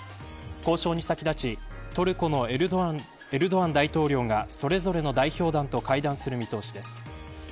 交渉に先立ちトルコのエルドアン大統領がそれぞれの代表団と会談する見通しです。